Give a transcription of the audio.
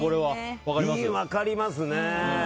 分かりますね。